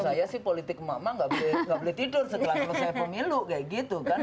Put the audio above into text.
saya sih politik emak emak nggak boleh tidur setelah selesai pemilu kayak gitu kan